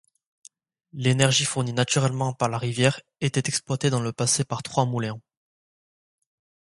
L'énergie fournie naturellement par la rivière était exploitée dans le passé par trois moulins.